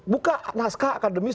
buka naskah akademis